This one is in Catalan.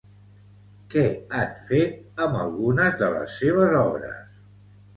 Què han fet amb algunes de les seves obres?